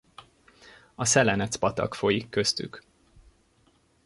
A Szelenec-patak folyik köztük.